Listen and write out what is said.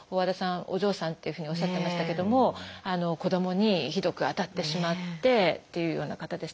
お嬢さんっていうふうにおっしゃってましたけども子どもにひどく当たってしまってっていうような方ですとか